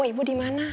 bu ibu dimana